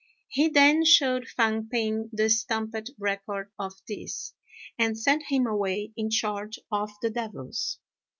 He then shewed Fang p'ing the stamped record of this, and sent him away in charge of the devils.